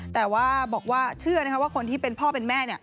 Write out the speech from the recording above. แต่ว่าบอกว่าเชื่อนะคะว่าคนที่เป็นพ่อเป็นแม่